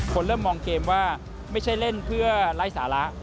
เริ่มมองเกมว่าไม่ใช่เล่นเพื่อไร้สาระ